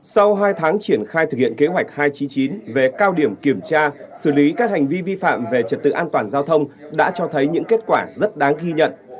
sau hai tháng triển khai thực hiện kế hoạch hai trăm chín mươi chín về cao điểm kiểm tra xử lý các hành vi vi phạm về trật tự an toàn giao thông đã cho thấy những kết quả rất đáng ghi nhận